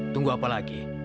tunggu apa lagi